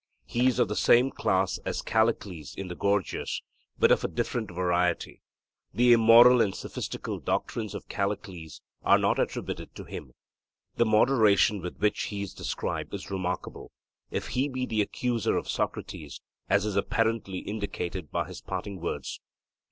He is of the same class as Callicles in the Gorgias, but of a different variety; the immoral and sophistical doctrines of Callicles are not attributed to him. The moderation with which he is described is remarkable, if he be the accuser of Socrates, as is apparently indicated by his parting words.